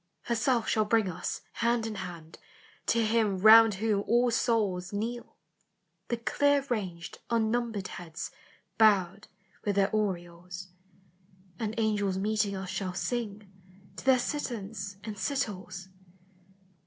"Herself shall bring us. hand in hand, To Him round whom all souls Kneel, the clear ranged unnumbered heads Bowed with their aureoles : And angels meeting us shall sing To their citherns and citoles.